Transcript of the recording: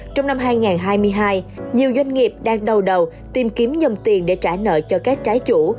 trong năm hai nghìn hai mươi hai nhiều doanh nghiệp đang đầu đầu tìm kiếm dòng tiền để trả nợ cho các trái chủ